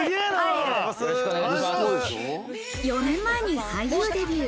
４年前に俳優デビュー。